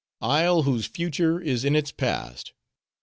"Isle, whose future is in its past.